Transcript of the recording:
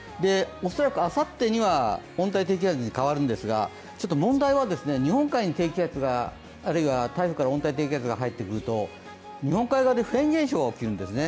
恐らくあさってには温帯低気圧に変わるんですがちょっと問題は日本海に低気圧があるいは台風から温帯低気圧が入ってくると、日本海側でフェーン現象が起きるんですね。